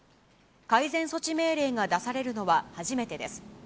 改善措置命令が出されるのは初めてです。